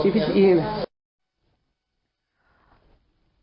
ไปเยี่ยมผู้แทนพระองค์